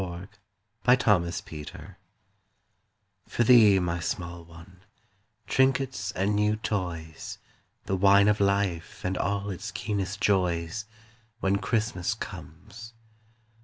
WHEN CHRISTMAS COMES For thee, my small one trinkets and new toys, The wine of life and all its keenest joys, When Christmas comes.